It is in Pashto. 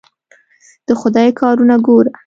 د خدای کارونه ګوره.